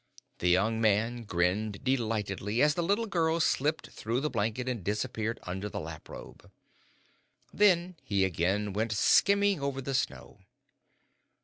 The young man grinned delightedly as the little girl slipped through the blanket and disappeared under the lap robe. Then he again went skimming over the snow.